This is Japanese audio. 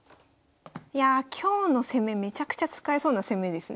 いや今日の攻めめちゃくちゃ使えそうな攻めですね。